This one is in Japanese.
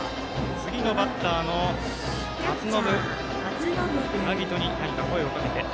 次のバッターの松延晶音に何か声をかけて。